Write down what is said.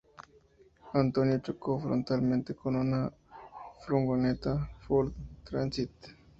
Antonio chocó frontalmente con una furgoneta Ford Transit.